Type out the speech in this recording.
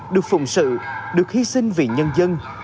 được phụng sự được hy sinh vì nhân dân